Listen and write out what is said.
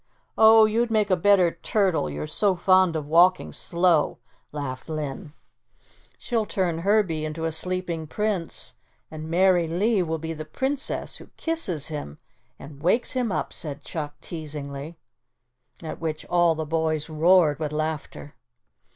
"Oh, you'd make a better turtle you're so fond of walking slow," laughed Linn. "She'll turn Herbie into a sleeping Prince, and Mary Lee will be the Princess who kisses him and wakes him up," said Chuck, teasingly, at which all the boys roared with laughter.